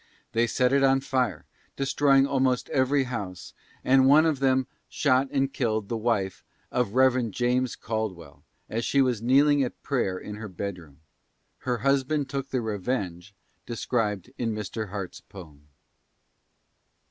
They set it on fire, destroying almost every house, and one of them shot and killed the wife of Rev. James Caldwell, as she was kneeling at prayer in her bedroom. Her husband took the revenge described in Mr. Harte's poem.